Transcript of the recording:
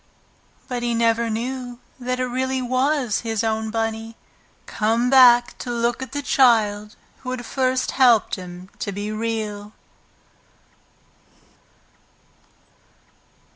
But he never knew that it really was his own Bunny, come back to look at the child who had first helped him to be Real.